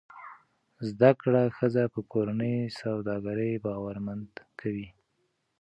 زده کړه ښځه په کورني سوداګرۍ باورمند کوي.